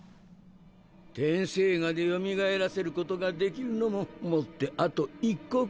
天生牙でよみがえらせることが出来るのももってあと一刻。